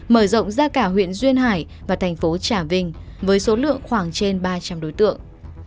mở rộng ra cả huyện duyên hải và thành phố trà vinh với số lượng khoảng trên ba trăm linh đối tượng